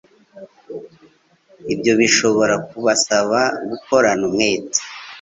Ibyo bishobora kubasaba gukorana umwete,